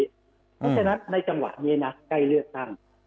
เพราะฉะนั้นในจังหวะนี้นะใกล้เลือกตั้ง